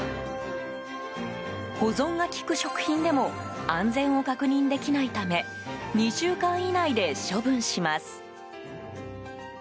保存が利く食品でも安全を確認できないため２週間以内で処分します。